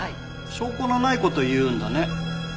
証拠のない事言うんだね。